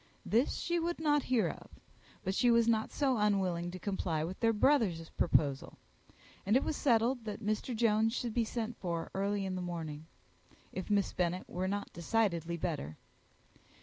This she would not hear of; but she was not so unwilling to comply with their brother's proposal; and it was settled that Mr. Jones should be sent for early in the morning, if Miss Bennet were not decidedly better.